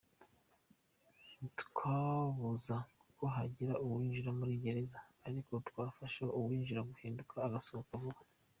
"Ntitwabuza ko hagira uwinjira muri gereza ariko twafasha uwinjiye guhinduka agasohoka vuba.